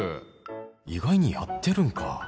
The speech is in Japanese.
意外にやってるのか